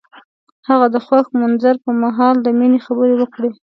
هغه د خوښ منظر پر مهال د مینې خبرې وکړې.